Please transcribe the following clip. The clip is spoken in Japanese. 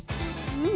うん！